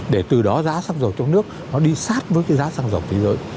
để từ đó giá xăng dầu trong nước nó đi sát với cái giá xăng dầu thế giới